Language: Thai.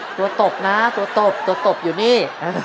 ตบนะตัวตบตัวตบอยู่นี่